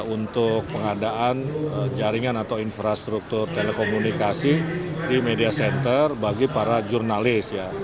untuk pengadaan jaringan atau infrastruktur telekomunikasi di media center bagi para jurnalis